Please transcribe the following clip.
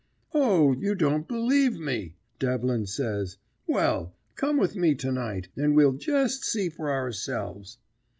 "O, you don't believe me!" Devlin says. "Well, come with me to night, and we'll jest see for ourselves."